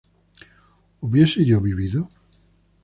¿hubiese yo vivido?